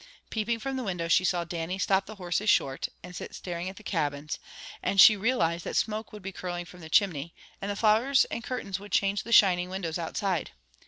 Peeping from the window, she saw Dannie stop the horses short, and sit staring at the cabins, and she realized that smoke would be curling from the chimney, and the flowers and curtains would change the shining windows outside.